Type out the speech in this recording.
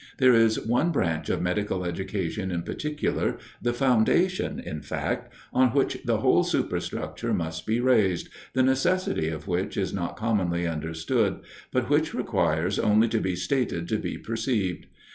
There is one branch of medical education in particular, the foundation, in fact, on which the whole superstructure must be raised, the necessity of which is not commonly understood, but which requires only to be stated to be perceived.